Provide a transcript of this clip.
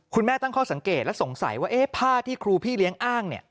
ตั้งข้อสังเกตและสงสัยว่าผ้าที่ครูพี่เลี้ยงอ้าง